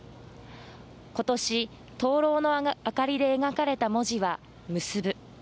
ことし灯籠の明かりで描かれた文字は「むすぶ」